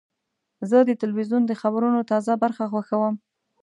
زه د تلویزیون د خبرونو تازه برخه خوښوم.